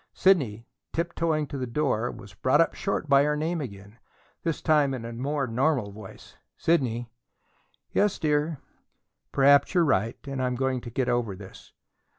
Sidney, tiptoeing to the door, was brought up short by her name again, this time in a more normal voice: "Sidney." "Yes, dear." "Perhaps you are right and I'm going to get over this."